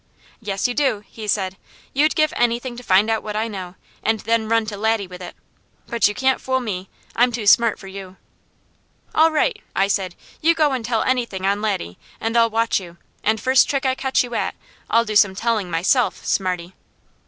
"Yes you do," he said. "You'd give anything to find out what I know, and then run to Laddie with it, but you can't fool me. I'm too smart for you." "All right," I said. "You go and tell anything on Laddie, and I'll watch you, and first trick I catch you at, I'll do some telling myself, Smarty."